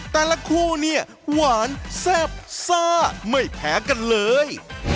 แต่ละคู่เนี่ยหวานแซ่บซ่าไม่แพ้กันเลย